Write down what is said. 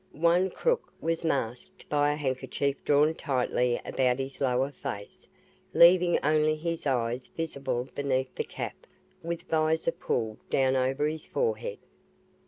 One crook was masked by a handkerchief drawn tightly about his lower face, leaving only his eyes visible beneath the cap with visor pulled down over his forehead.